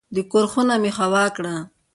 د کور خونه مې هوا کړه.